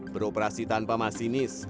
beroperasi tanpa masinis